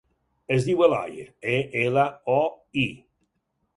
Es diu Eloi: e, ela, o, i.